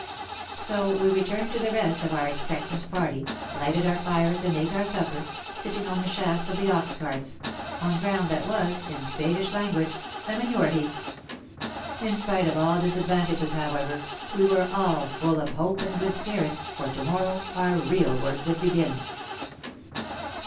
So we returned to the rest of our expectant party, lighted our fires and ate our supper — sitting on the shafts of the ox carts — on ground that was, in spadish language, a manure heap. In spite of all dis advantages, however, we were all full of hope and good spirits, for to morrow our real work would begin.